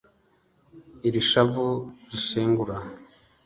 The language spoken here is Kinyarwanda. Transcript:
Iri shavu rinshengura